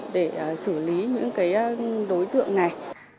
để xử lý những đối tượng này